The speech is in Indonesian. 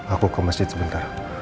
aku ke masjid sebentar